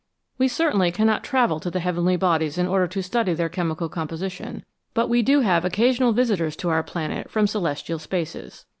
We certainly cannot travel to the heavenly bodies in order to study their chemical composition, but we do have occasional visitors to our planet from celestial spaces.